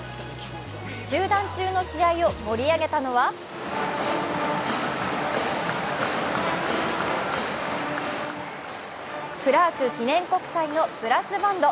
中断中の試合を盛り上げたのはクラーク記念国際のブラスバンド。